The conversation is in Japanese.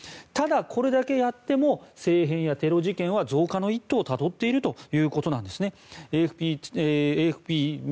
ただ、これだけやっても政変やテロ事件は増加の一途をたどっているということなんです。